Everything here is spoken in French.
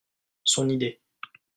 Son idée.